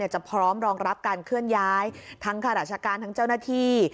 จะพร้อมรองรับการเคลื่อนย้ายทั้งข้าราชการทั้งเจ้าหน้าที่